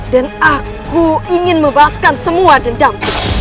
dan aku ingin mebalaskan semua dendam